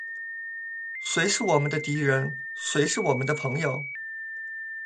谁是我们的敌人？谁是我们的朋友？